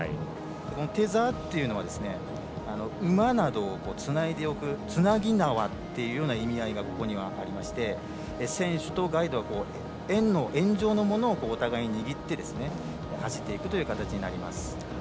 テザーというのは馬などをつないでおくつなぎ縄というような意味合いがここにはありまして選手とガイド、円状のものをお互い、握って走っていくという形になります。